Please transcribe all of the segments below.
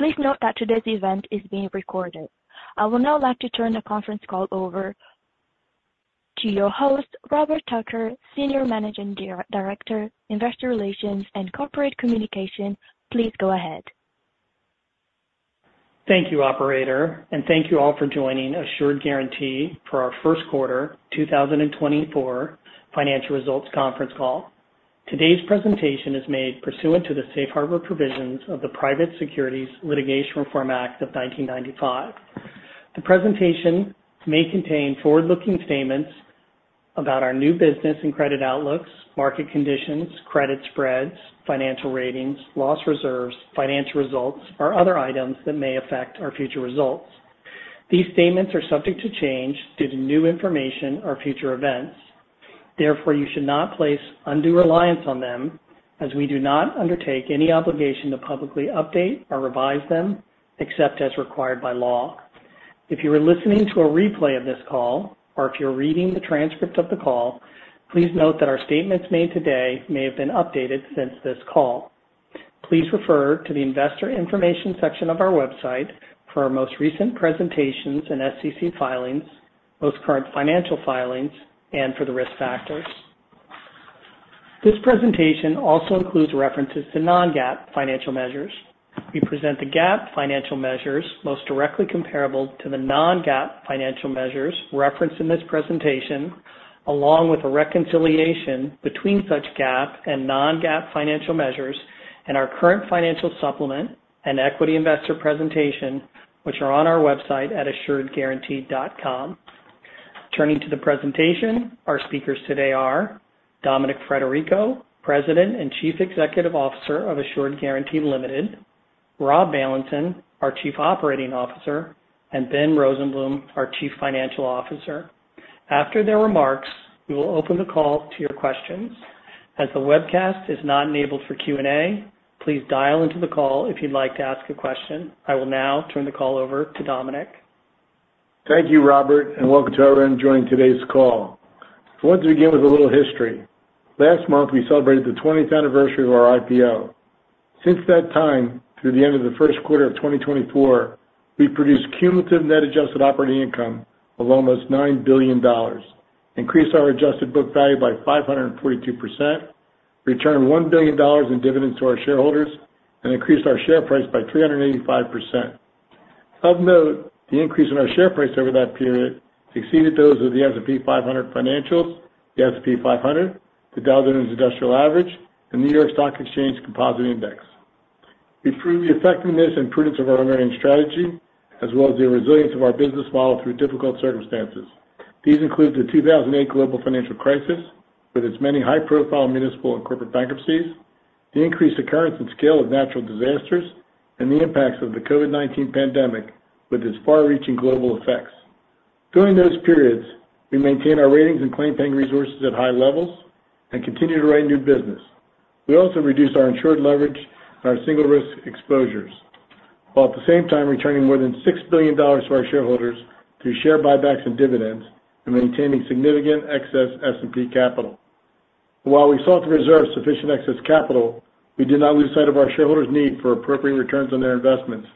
Please note that today's event is being recorded. I would now like to turn the conference call over to your host, Robert Tucker, Senior Managing Director, Investor Relations and Corporate Communications. Please go ahead. Thank you, operator, and thank you all for joining Assured Guaranty for our first quarter 2024 financial results conference call. Today's presentation is made pursuant to the safe harbor provisions of the Private Securities Litigation Reform Act of 1995. The presentation may contain forward-looking statements about our new business and credit outlooks, market conditions, credit spreads, financial ratings, loss reserves, financial results, or other items that may affect our future results. These statements are subject to change due to new information or future events. Therefore, you should not place undue reliance on them, as we do not undertake any obligation to publicly update or revise them, except as required by law. If you are listening to a replay of this call or if you're reading the transcript of the call, please note that our statements made today may have been updated since this call. Please refer to the Investor Information section of our website for our most recent presentations and SEC filings, most current financial filings, and for the risk factors. This presentation also includes references to non-GAAP financial measures. We present the GAAP financial measures most directly comparable to the non-GAAP financial measures referenced in this presentation, along with a reconciliation between such GAAP and non-GAAP financial measures and our current financial supplement and equity investor presentation, which are on our website at assuredguaranty.com. Turning to the presentation, our speakers today are Dominic Frederico, President and Chief Executive Officer of Assured Guaranty Limited, Rob Bailenson, our Chief Operating Officer, and Ben Rosenblum, our Chief Financial Officer. After their remarks, we will open the call to your questions. As the webcast is not enabled for Q&A, please dial into the call if you'd like to ask a question. I will now turn the call over to Dominic. Thank you, Robert, and welcome to everyone joining today's call. I want to begin with a little history. Last month, we celebrated the 20th anniversary of our IPO. Since that time, through the end of the first quarter of 2024, we've produced cumulative net adjusted operating income of almost $9 billion, increased our adjusted book value by 542%, returned $1 billion in dividends to our shareholders, and increased our share price by 385%. Of note, the increase in our share price over that period exceeded those of the S&P 500 Financials, the S&P 500, the Dow Jones Industrial Average, and NYSE Composite Index. We've proved the effectiveness and prudence of our earning strategy, as well as the resilience of our business model through difficult circumstances. These include the 2008 global financial crisis, with its many high-profile municipal and corporate bankruptcies, the increased occurrence and scale of natural disasters, and the impacts of the COVID-19 pandemic, with its far-reaching global effects. During those periods, we maintained our ratings and claim paying resources at high levels and continued to write new business. We also reduced our insured leverage and our single risk exposures, while at the same time returning more than $6 billion to our shareholders through share buybacks and dividends and maintaining significant excess S&P capital. While we sought to reserve sufficient excess capital, we did not lose sight of our shareholders' need for appropriate returns on their investments.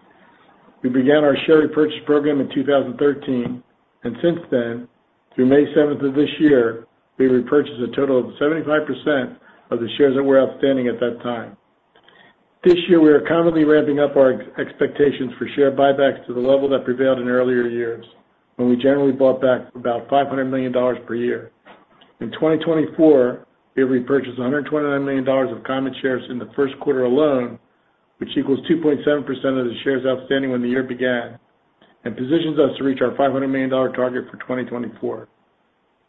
We began our share repurchase program in 2013, and since then, through May 7 of this year, we repurchased a total of 75% of the shares that were outstanding at that time. This year, we are currently ramping up our expectations for share buybacks to the level that prevailed in earlier years, when we generally bought back about $500 million per year. In 2024, we repurchased $129 million of common shares in the first quarter alone, which equals 2.7% of the shares outstanding when the year began, and positions us to reach our $500 million target for 2024.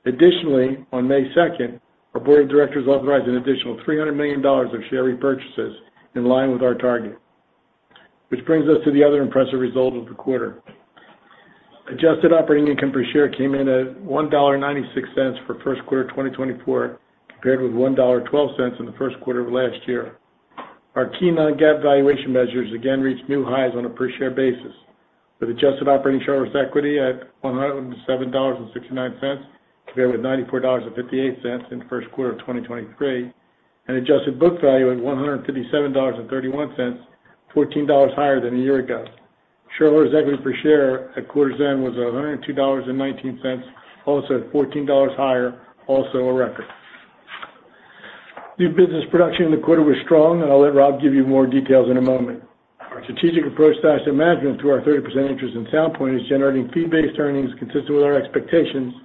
Additionally, on May 2, our board of directors authorized an additional $300 million of share repurchases in line with our target, which brings us to the other impressive result of the quarter. Adjusted operating income per share came in at $1.96 for first quarter 2024, compared with $1.12 in the first quarter of last year. Our key non-GAAP valuation measures again reached new highs on a per-share basis, with adjusted operating shareholders' equity at $107.69, compared with $94.58 in the first quarter of 2023, and adjusted book value at $157.31, $14 higher than a year ago. Shareholders' equity per share at quarter's end was $102.19, also at $14 higher, also a record. New business production in the quarter was strong, and I'll let Rob give you more details in a moment. Our strategic approach to asset management, through our 30% interest in Sound Point, is generating fee-based earnings consistent with our expectations,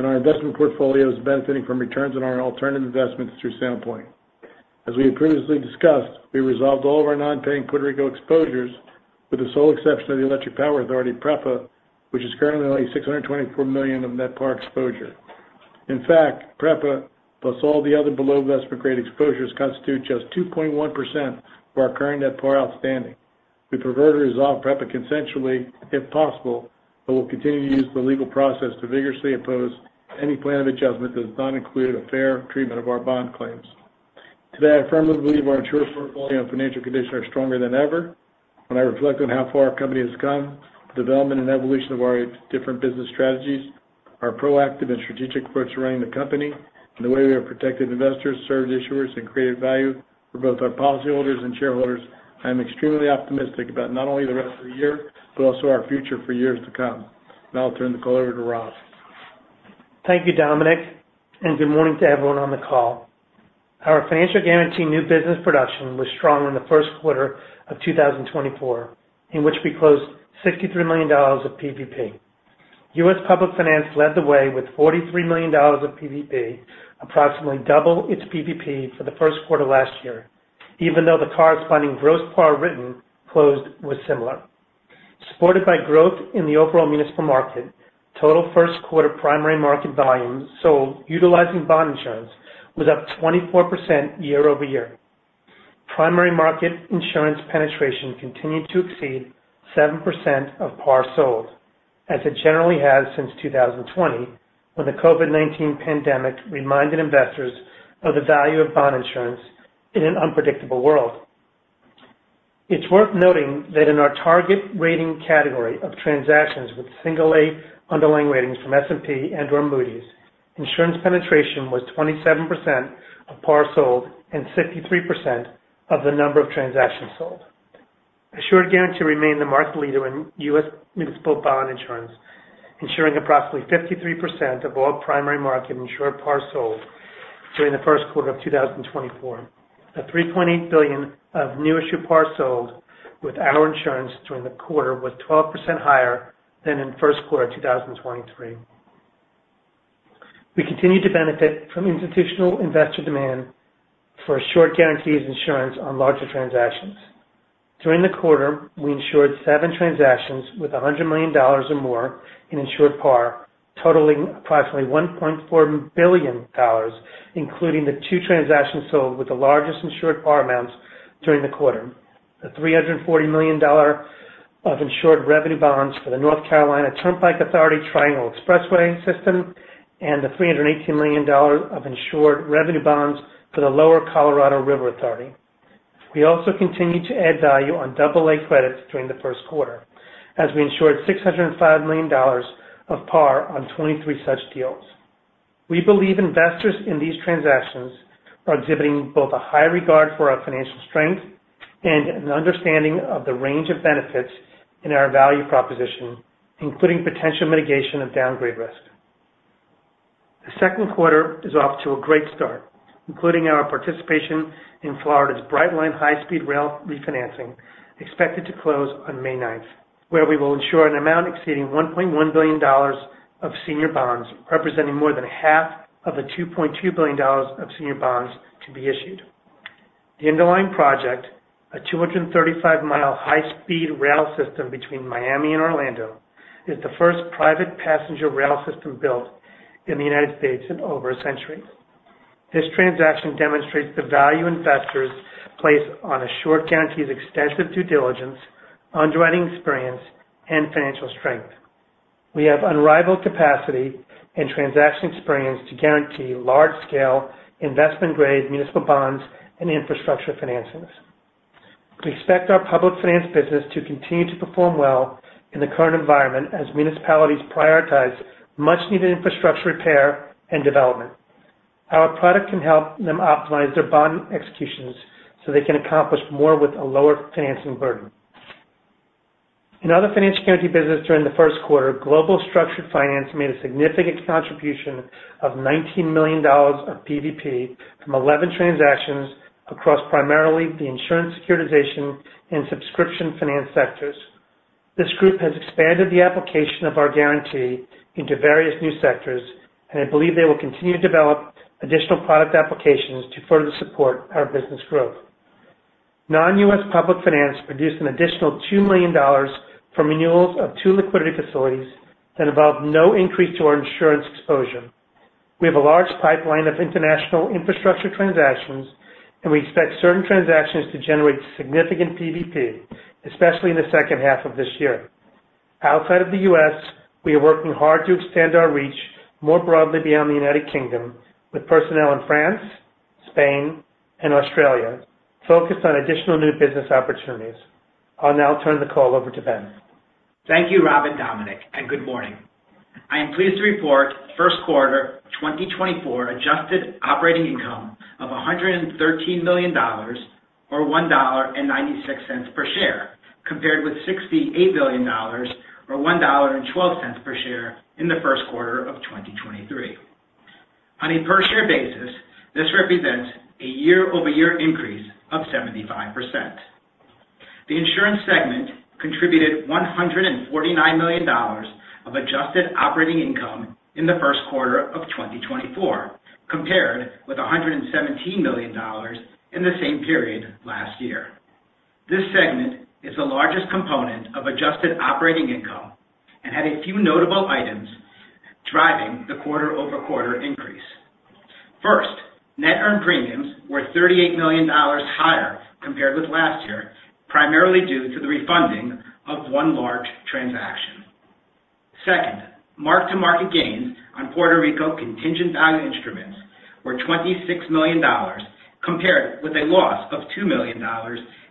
and our investment portfolio is benefiting from returns on our alternative investments through Sound Point. As we previously discussed, we resolved all of our non-paying Puerto Rico exposures, with the sole exception of the Electric Power Authority, PREPA, which is currently only $624 million of net par exposure. In fact, PREPA, plus all the other below-investment-grade exposures, constitute just 2.1% of our current net par outstanding. We prefer to resolve PREPA consensually, if possible, but we'll continue to use the legal process to vigorously oppose any plan of adjustment that does not include a fair treatment of our bond claims. Today, I firmly believe our insurance portfolio and financial conditions are stronger than ever. When I reflect on how far our company has come, the development and evolution of our different business strategies, our proactive and strategic approach to running the company, and the way we have protected investors, served issuers, and created value for both our policyholders and shareholders, I am extremely optimistic about not only the rest of the year, but also our future for years to come. Now I'll turn the call over to Rob. Thank you, Dominic, and good morning to everyone on the call. Our financial guarantee new business production was strong in the first quarter of 2024, in which we closed $63 million of PVP. U.S. Public Finance led the way with $43 million of PVP, approximately double its PVP for the first quarter last year, even though the corresponding gross par written closed was similar. Supported by growth in the overall municipal market, total first quarter primary market volume sold utilizing bond insurance was up 24% year-over-year. Primary market insurance penetration continued to exceed 7% of par sold, as it generally has since 2020, when the COVID-19 pandemic reminded investors of the value of bond insurance in an unpredictable world. It's worth noting that in our target rating category of transactions with single A underlying ratings from S&P and/or Moody's, insurance penetration was 27% of par sold and 63% of the number of transactions sold. Assured Guaranty remained the market leader in U.S. municipal bond insurance, insuring approximately 53% of all primary market insured par sold during the first quarter of 2024. The $3.8 billion of new issue par sold with our insurance during the quarter was 12% higher than in first quarter of 2023. We continued to benefit from institutional investor demand for Assured Guaranty's insurance on larger transactions. During the quarter, we insured seven transactions with $100 million or more in insured par, totaling approximately $1.4 billion, including the two transactions sold with the largest insured par amounts during the quarter. The $340 million of insured revenue bonds for the North Carolina Turnpike Authority Triangle Expressway System, and the $318 million of insured revenue bonds for the Lower Colorado River Authority. We also continued to add value on double A credits during the first quarter, as we insured $605 million of par on 23 such deals. We believe investors in these transactions are exhibiting both a high regard for our financial strength and an understanding of the range of benefits in our value proposition, including potential mitigation of downgrade risk. The second quarter is off to a great start, including our participation in Florida's Brightline high-speed rail refinancing, expected to close on May ninth, where we will insure an amount exceeding $1.1 billion of senior bonds, representing more than half of the $2.2 billion of senior bonds to be issued. The underlying project, a 235-mile high-speed rail system between Miami and Orlando, is the first private passenger rail system built in the United States in over a century. This transaction demonstrates the value investors place on Assured Guaranty's extensive due diligence, underwriting experience, and financial strength. We have unrivaled capacity and transaction experience to guarantee large-scale investment-grade municipal bonds and infrastructure financings. We expect our public finance business to continue to perform well in the current environment as municipalities prioritize much-needed infrastructure repair and development. Our product can help them optimize their bond executions so they can accomplish more with a lower financing burden. In other financial guarantee business during the first quarter, Global Structured Finance made a significant contribution of $19 million of PVP from 11 transactions across primarily the insurance, securitization, and subscription finance sectors. This group has expanded the application of our guarantee into various new sectors, and I believe they will continue to develop additional product applications to further support our business growth. Non-U.S. Public Finance produced an additional $2 million from renewals of two liquidity facilities that involved no increase to our insurance exposure. We have a large pipeline of international infrastructure transactions, and we expect certain transactions to generate significant PVP, especially in the second half of this year. Outside of the U.S., we are working hard to extend our reach more broadly beyond the United Kingdom, with personnel in France, Spain, and Australia, focused on additional new business opportunities. I'll now turn the call over to Ben. Thank you, Rob and Dominic, and good morning. I am pleased to report first quarter 2024 adjusted operating income of $113 million, or $1.96 per share, compared with $68 million, or $1.12 per share in the first quarter of 2023. On a per-share basis, this represents a year-over-year increase of 75%. The insurance segment contributed $149 million of adjusted operating income in the first quarter of 2024, compared with $117 million in the same period last year. This segment is the largest component of adjusted operating income and had a few notable items, driving the quarter-over-quarter increase. First, net earned premiums were $38 million higher compared with last year, primarily due to the refunding of one large transaction. Second, mark-to-market gains on Puerto Rico contingent value instruments were $26 million, compared with a loss of $2 million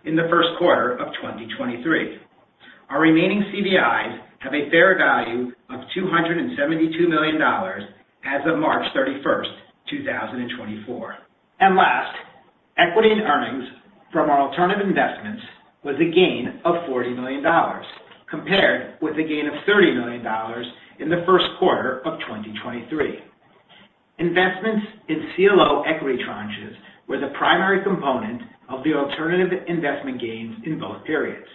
in the first quarter of 2023. Our remaining CVIs have a fair value of $272 million as of March 31, 2024. And last, equity in earnings from our alternative investments was a gain of $40 million, compared with a gain of $30 million in the first quarter of 2023. Investments in CLO equity tranches were the primary component of the alternative investment gains in both periods.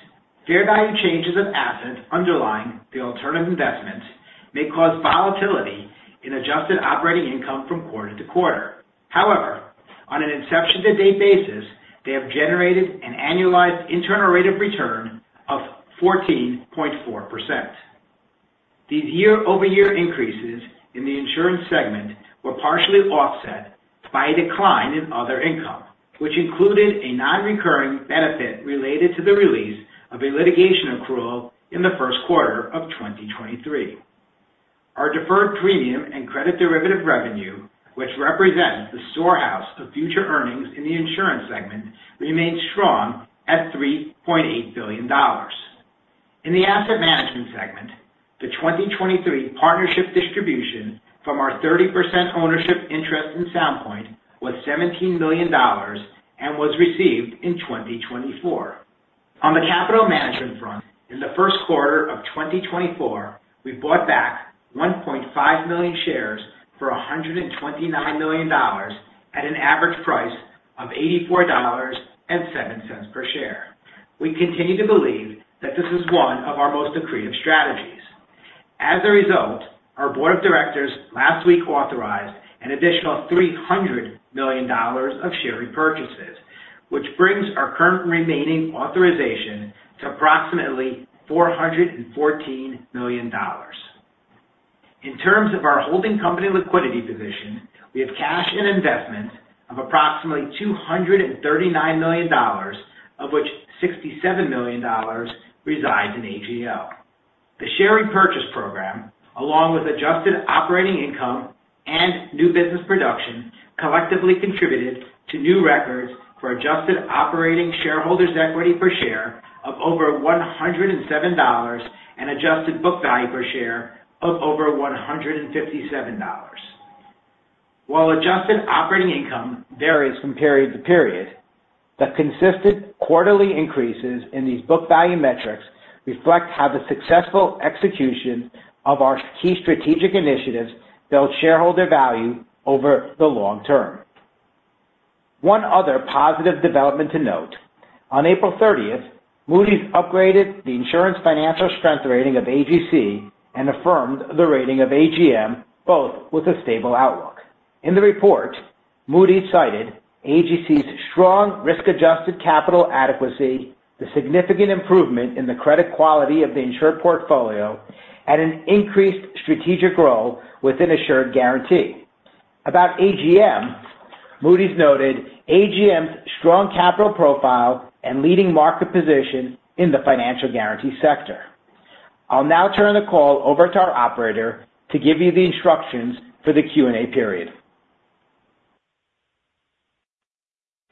Fair value changes of assets underlying the alternative investments may cause volatility in adjusted operating income from quarter to quarter. However, on an inception-to-date basis, they have generated an annualized internal rate of return of 14.4%. These year-over-year increases in the insurance segment were partially offset by a decline in other income, which included a non-recurring benefit related to the release of a litigation accrual in the first quarter of 2023. Our deferred premium and credit derivative revenue, which represents the storehouse of future earnings in the insurance segment, remained strong at $3.8 billion. In the asset management segment, the 2023 partnership distribution from our 30% ownership interest in Sound Point was $17 million and was received in 2024. On the capital management front, in the first quarter of 2024, we bought back 1.5 million shares for $129 million at an average price of $84.07 per share. We continue to believe that this is one of our most accretive strategies. As a result, our board of directors last week authorized an additional $300 million of share repurchases, which brings our current remaining authorization to approximately $414 million. In terms of our holding company liquidity position, we have cash and investments of approximately $239 million, of which $67 million resides in AGL. The share repurchase program, along with adjusted operating income and new business production, collectively contributed to new records for adjusted operating shareholders' equity per share of over $107 and adjusted book value per share of over $157. While adjusted operating income varies from period to period, the consistent quarterly increases in these book value metrics reflect how the successful execution of our key strategic initiatives build shareholder value over the long term. One other positive development to note: On April thirtieth, Moody's upgraded the insurance financial strength rating of AGC and affirmed the rating of AGM, both with a stable outlook. In the report, Moody's cited AGC's strong risk-adjusted capital adequacy, the significant improvement in the credit quality of the insured portfolio, and an increased strategic role within Assured Guaranty. About AGM, Moody's noted AGM's strong capital profile and leading market position in the financial guarantee sector. I'll now turn the call over to our operator to give you the instructions for the Q&A period.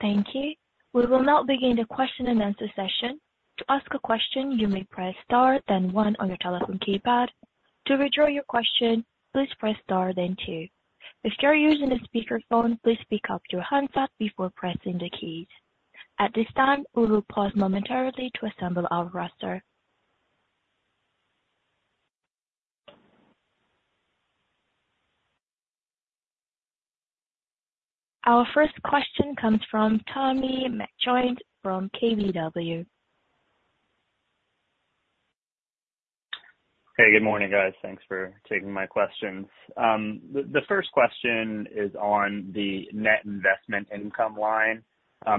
Thank you. We will now begin the question-and-answer session. To ask a question, you may press star then one on your telephone keypad. To withdraw your question, please press star then two. If you're using a speakerphone, please pick up your handset before pressing the keys. At this time, we will pause momentarily to assemble our roster. Our first question comes from Tommy McJoynt from KBW. Hey, good morning, guys. Thanks for taking my questions. The first question is on the net investment income line.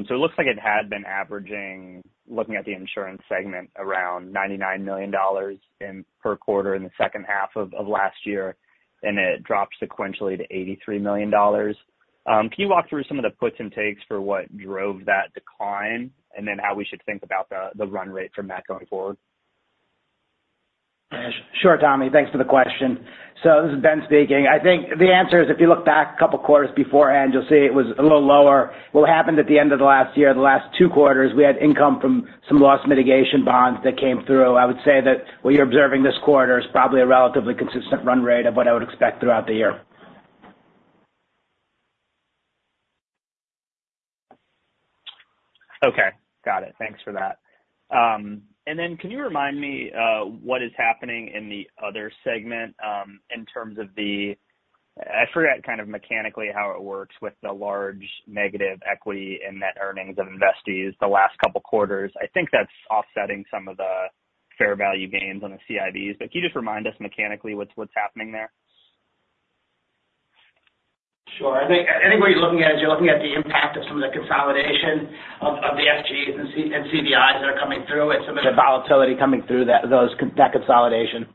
So it looks like it had been averaging, looking at the insurance segment, around $99 million per quarter in the second half of last year, and it dropped sequentially to $83 million. Can you walk through some of the puts and takes for what drove that decline, and then how we should think about the run rate from that going forward? Sure, Tommy, thanks for the question. So this is Ben speaking. I think the answer is, if you look back a couple quarters beforehand, you'll see it was a little lower. What happened at the end of the last year, the last two quarters, we had income from some loss mitigation bonds that came through. I would say that what you're observing this quarter is probably a relatively consistent run rate of what I would expect throughout the year. Okay, got it. Thanks for that. And then can you remind me what is happening in the other segment in terms of the... I forget kind of mechanically how it works with the large negative equity and net earnings of investees the last couple quarters. I think that's offsetting some of the fair value gains on the CVIs, but can you just remind us mechanically what's happening there? Sure. I think what you're looking at is you're looking at the impact of some of the consolidation of the FG and CVIs that are coming through and some of the volatility coming through that consolidation.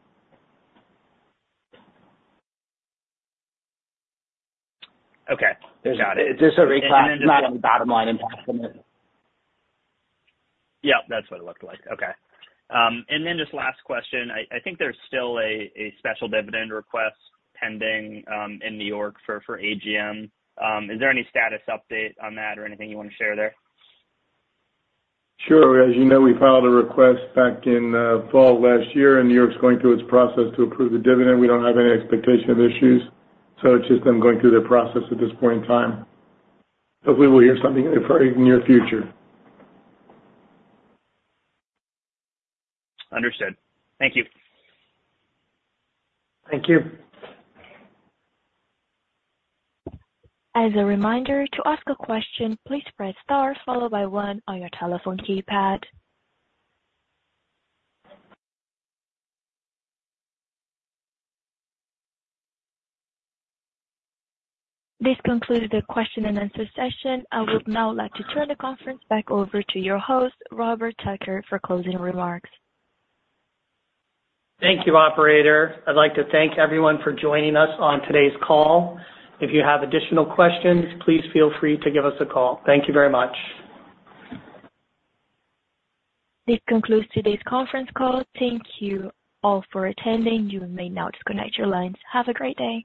Okay. Got it. It's just a reclass, not on the bottom line impact. Yeah, that's what it looked like. Okay. And then just last question. I think there's still a special dividend request pending in New York for AGM. Is there any status update on that or anything you want to share there? Sure. As you know, we filed a request back in, fall of last year, and New York's going through its process to approve the dividend. We don't have any expectation of issues, so it's just them going through their process at this point in time. Hopefully, we'll hear something in the very near future. Understood. Thank you. Thank you. As a reminder, to ask a question, please press star followed by one on your telephone keypad. This concludes the question-and-answer session. I would now like to turn the conference back over to your host, Robert Tucker, for closing remarks. Thank you, operator. I'd like to thank everyone for joining us on today's call. If you have additional questions, please feel free to give us a call. Thank you very much. This concludes today's conference call. Thank you all for attending. You may now disconnect your lines. Have a great day.